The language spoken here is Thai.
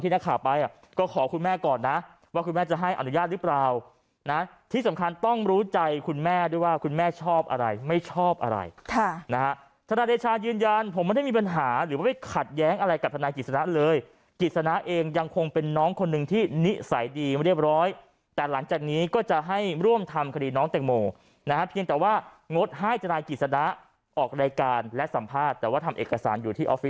ทำไมต้องไปแย่งแม่สัมภาษณ์ด้วย